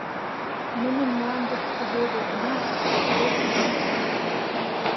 Нунын мландышт кугу огыл гынат, шке ок ӱдалт.